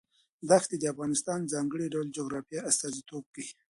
دښتې د افغانستان د ځانګړي ډول جغرافیه استازیتوب کوي.